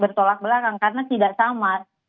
bertolak belakang karena tidak sama